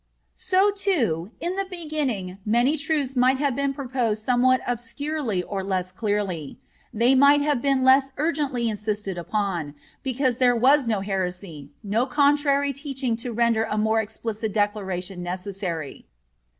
So, too, in the beginning many truths might have been proposed somewhat obscurely or less clearly; they might have been less urgently insisted upon, because there was no heresy, no contrary teaching to render a more explicit declaration necessary.